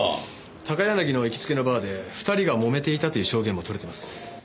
高柳の行きつけのバーで二人がもめていたという証言も取れてます。